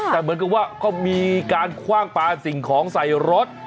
แต่เหมือนกับว่าก็มีการคว่างปลาสิ่งของใส่รถ